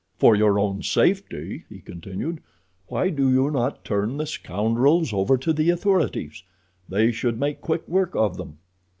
"For your own safety," he continued, "why do you not turn the scoundrels over to the authorities? They should make quick work of them."